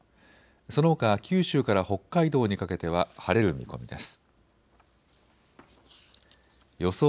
そのほか九州から北海道にかけては晴れる見込みです。